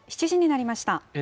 ７時になりました。